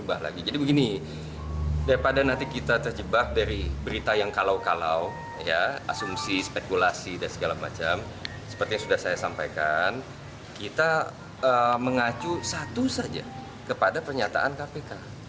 seperti yang sudah saya sampaikan kita mengacu satu saja kepada pernyataan kpk